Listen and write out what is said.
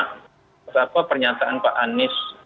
kenapa pernyataan pak anies